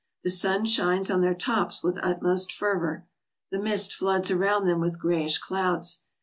The sun shines on their tops with utmost fervor. The mist floods around them with grayish clouds.